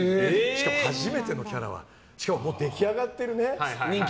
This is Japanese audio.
しかも初めてのキャラでしかも出来上がってるね。